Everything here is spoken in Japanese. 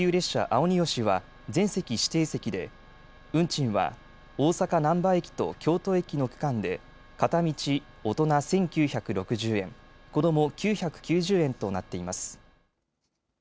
あをによしは全席指定席で運賃は大阪難波駅と京都駅の区間で片道、大人１９６０円、子ども９９０円となっています。